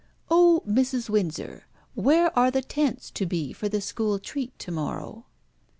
Oh, Mrs. Windsor, where are the tents to be for the school treat to morrow?"